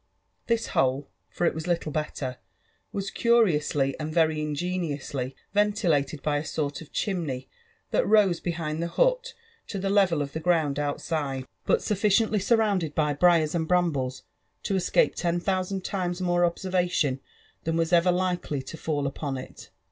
This hole, for it was lillle bett^i was euriously and very ingeniously ventilated by a aort of chimney that rose behind the hut to the level of the ground outside^ but aufficiently surrounded by briars and brambles to escape ten thou« pand times nsore observation than was ever likely to fall upon it.